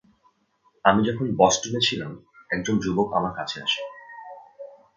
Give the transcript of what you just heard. আমি যখন বষ্টনে ছিলাম, একজন যুবক আমার কাছে আসে।